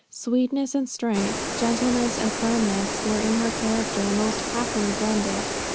Sweetness and strength, gentleness and firmness, were in her character most happily blended.